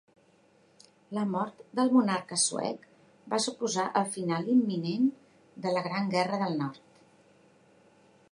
La mort del monarca suec va suposar el final imminent de la Gran Guerra del Nord.